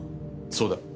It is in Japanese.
そうだ。